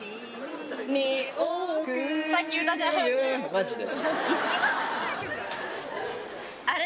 マジで？